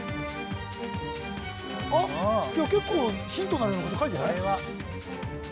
あっ結構ヒントになるようなこと書いてない？